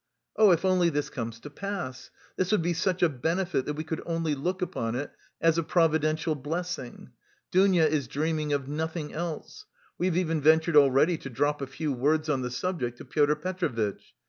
Oh, if only this comes to pass! This would be such a benefit that we could only look upon it as a providential blessing. Dounia is dreaming of nothing else. We have even ventured already to drop a few words on the subject to Pyotr Petrovitch.